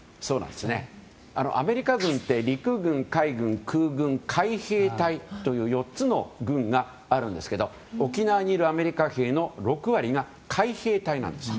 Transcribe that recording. アメリカ軍は陸軍、海軍、空軍、海兵隊の４つの軍があるんですけど沖縄にいるアメリカ軍の６割が海兵隊なんです。